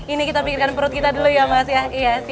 ini kita pikirkan perut kita dulu ya mas ya